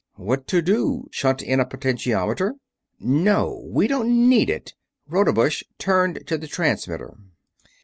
"What to do? Shunt in a potentiometer?" "No, we don't need it." Rodebush turned to the transmitter.